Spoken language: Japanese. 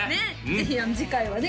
ぜひ次回はね